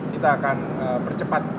kita akan percepat